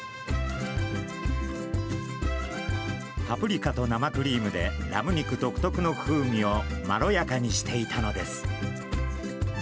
パプリカと生クリームでラム肉独特の風味をまろやかにしていたのです。